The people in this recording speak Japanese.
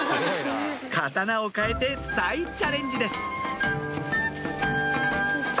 刀を替えて再チャレンジです